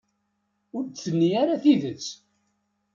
Ur d-tenni ara tidet.